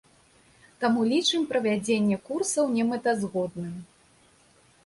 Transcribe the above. Таму лічым правядзенне курсаў немэтазгодным.